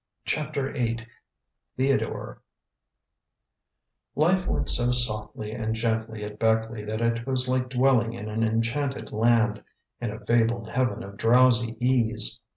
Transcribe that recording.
CHAPTER VIII THEODORE Life went so softly and gently at Beckleigh that it was like dwelling in an enchanted land, in a fabled heaven of drowsy ease.